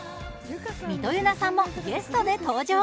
みとゆなさんもゲストで登場。